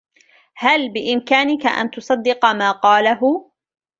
هل بإمكانك أن تصدق ما قاله؟